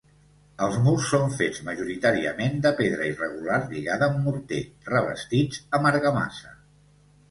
Els murs són fets majoritàriament de pedra irregular lligada amb morter, revestits amb argamassa.